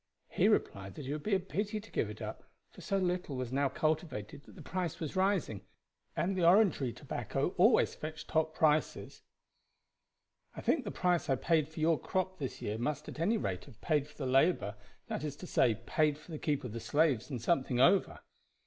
He replied that it would be a pity to give it up, for so little was now cultivated that the price was rising, and the Orangery tobacco always fetched top prices. 'I think the price I paid for your crop this year must at any rate have paid for the labor that is to say, paid for the keep of the slaves and something over.'